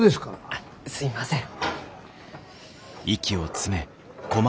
あっすみません。